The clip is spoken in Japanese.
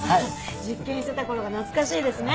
実験してた頃が懐かしいですね。